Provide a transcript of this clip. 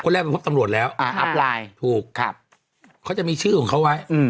คนแรกเป็นพวกตำรวจแล้วถูกเขาจะมีชื่อของเขาไว้